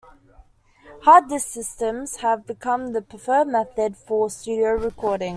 Hard disk systems have become the preferred method for studio recording.